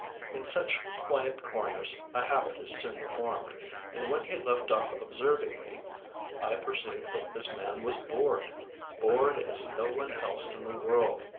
In such quiet corners a habit is soon formed. And when he left off observing me, I perceived that this man was bored—bored as no one else in the world.